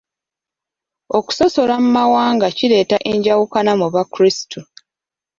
Okusosolagana mu mawanga kireeta enjawukana mu bakrisitu.